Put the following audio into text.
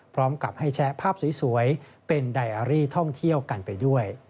พร้อมกับให้แชะภาพสวยเป็นไดอารี่ท่องเที่ยวกันไปด้วย